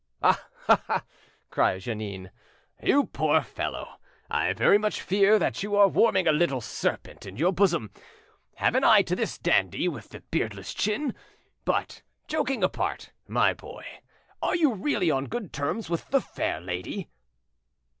"Ah! ah!" cried Jeannin. "You poor fellow! I very much fear that you are warming a little serpent in your bosom. Have an eye to this dandy with the beardless chin! But joking apart, my boy, are you really on good terms with the fair lady?"